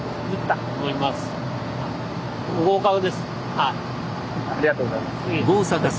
ありがとうございます。